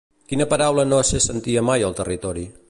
Quina paraula no se sentia mai al territori?